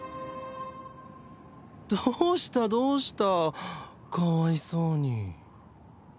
どうしたどうしたかわいそうに。